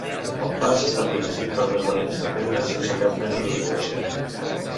El pas està protegit per unes baranes de pedra sense cap mena de decoració.